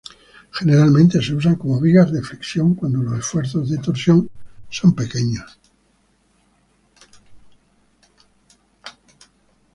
Generalmente se usan como vigas de flexión, cuando los esfuerzos de torsión son pequeños.